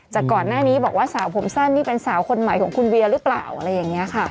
จากก่อนหน้านี้บอกว่าสาวผมสั้นนี่เป็นสาวคนใหม่ของคุณเวียหรือเปล่าอะไรอย่างนี้ค่ะ